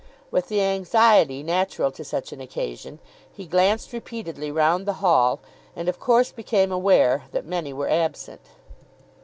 With the anxiety natural to such an occasion, he glanced repeatedly round the hall, and of course became aware that many were absent.